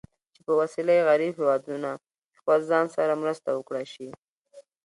چې په وسیله یې غریب هېوادونه د خپل ځان سره مرسته وکړای شي.